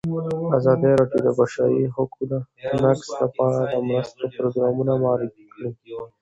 ازادي راډیو د د بشري حقونو نقض لپاره د مرستو پروګرامونه معرفي کړي.